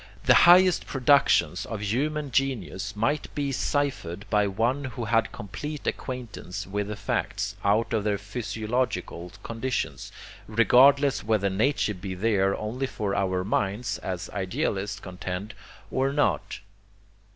The highest productions of human genius might be ciphered by one who had complete acquaintance with the facts, out of their physiological conditions, regardless whether nature be there only for our minds, as idealists contend, or not.